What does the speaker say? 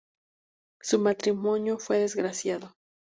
Su matrimonio fue desgraciado.